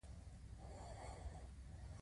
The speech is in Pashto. هستوي انجنیری له هستو سره کار لري.